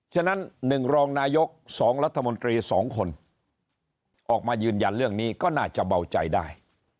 ฉะนั้น๑รองนายก๒รัฐมนตรี๒คนออกมายืนยันเรื่องนี้ก็น่าจะเบาใจได้